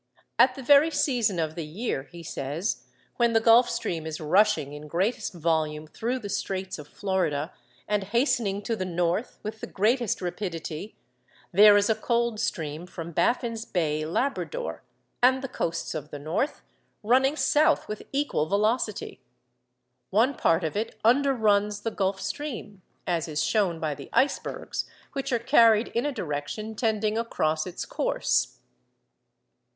'At the very season of the year,' he says, 'when the Gulf Stream is rushing in greatest volume through the Straits of Florida, and hastening to the north with the greatest rapidity, there is a cold stream from Baffin's Bay, Labrador, and the coasts of the north, running south with equal velocity.... One part of it underruns the Gulf Stream, as is shown by the icebergs, which are carried in a direction tending across its course.